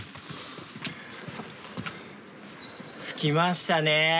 着きましたね。